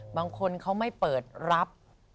บางคนเขาไม่เปิดรับ